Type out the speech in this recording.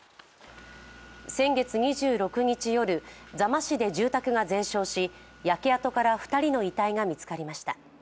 先月２６日夜、座間市で住宅が全焼し焼け跡から２人の遺体が見つかりました。